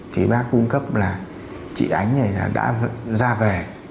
thì bác cung cấp là chị ánh này là đã ra về